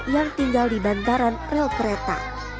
yang berasal di bandaran rel kereta